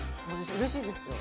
うれしいですよ。